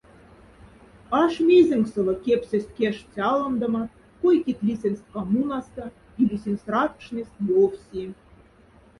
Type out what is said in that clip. Аш мезенксовок кепсесть кяшт-сялондомат, кой-кит лисендсть коммунаста, или синь сраткшнесть ёфси.